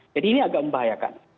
jadi ini agak membahayakan